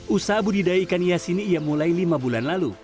usaha budidaya ikan hias ini ia mulai lima bulan lalu